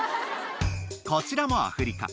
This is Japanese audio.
こちらもアフリカ。